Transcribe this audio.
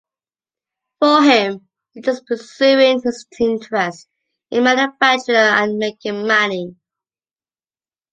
For him, it was just pursuing his interest in manufacturing and making money.